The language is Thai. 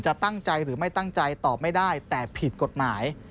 ตั้งใจหรือไม่ตั้งใจตอบไม่ได้แต่ผิดกฎหมาย